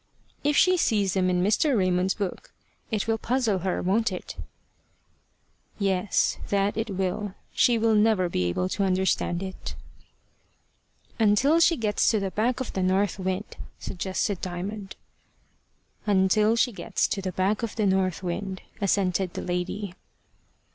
"If she sees them in Mr. Raymond's book, it will puzzle her, won't it?" "Yes, that it will. She will never be able to understand it." "Until she gets to the back of the north wind," suggested Diamond. "Until she gets to the back of the north wind," assented the lady.